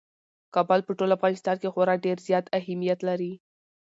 کابل په ټول افغانستان کې خورا ډېر زیات اهمیت لري.